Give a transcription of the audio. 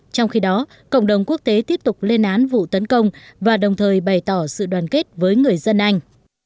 trong khi đó cộng đồng quốc tế tiếp tục lên án vụ tấn công và đồng thời bày tỏ sự đoàn kết với người dân anh